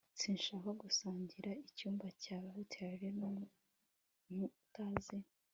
sinshaka gusangira icyumba cya hoteri n'umuntu utazi